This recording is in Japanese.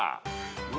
うわ！